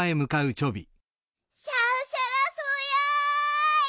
シャンシャラ草やい。